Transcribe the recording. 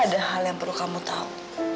ada hal yang perlu kamu tahu